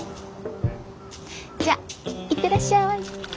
じゃあ行ってらっしゃい。